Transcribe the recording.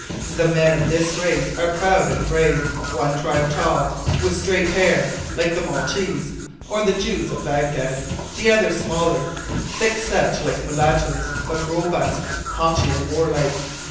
The men of this race are proud and brave, one tribe tall, with straight hair, like the Maltese, or the Jews of Bagdad; the other smaller, thickset like mulattoes, but robust, haughty, and warlike.